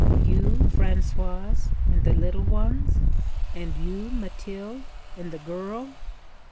'You, Françoise? and the little ones? And you, Mathilde? and the girl?